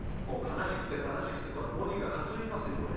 もう悲しくて悲しくて文字がかすみますよ